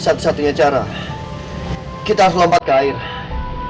sekarang tinggal kita berdua disini